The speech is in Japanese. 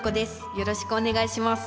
よろしくお願いします。